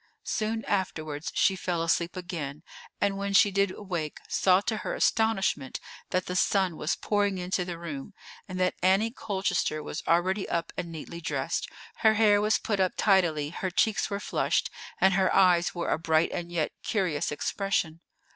Soon afterwards she fell asleep again, and when she did awake saw to her astonishment that the sun was pouring into the room, and that Annie Colchester was already up and neatly dressed; her hair was put up tidily, her cheeks were flushed, and her eyes wore a bright and yet curious expression.